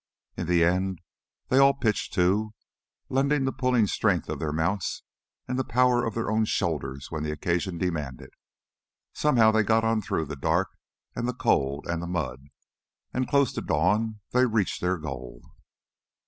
In the end they all pitched to, lending the pulling strength of their mounts, and the power of their own shoulders when the occasion demanded. Somehow they got on through the dark and the cold and the mud. And close to dawn they reached their goal.